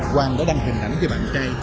hoàng đã đăng hình ảnh cho bạn trai